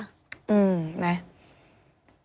อืมไง